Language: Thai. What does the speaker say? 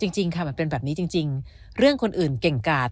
จริงค่ะมันเป็นแบบนี้จริงเรื่องคนอื่นเก่งกาด